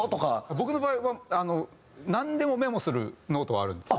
僕の場合はなんでもメモするノートはあるんですよ。